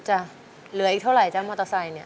เหลืออีกเท่าไหร่จ๊ะมอเตอร์ไซค์เนี่ย